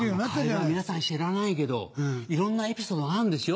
カエルは皆さん知らないけどいろんなエピソードがあるんですよ。